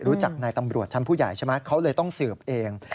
รู้จักนายตำรวจชั้นผู้ใหญ่ใช่ไหมเขาเลยต้องสืบเอง